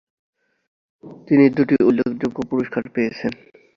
তিনি দুটি উল্লেখযোগ্য পুরস্কার পেয়েছেন